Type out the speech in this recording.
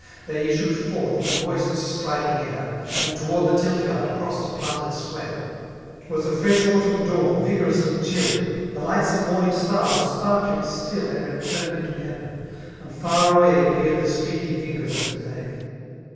They issued forth in the mmst striking m. And toward the tilt yard crossed a planted square* 'Twas a fresh autumn dawn, vigorous and chill; The lightsome morning star w$tf sparkling stills Ere it turned in :tQ heaven ; and far away Appeared the streaky fingers of the day.